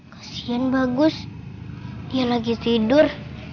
kasian bagus dia lagi tidur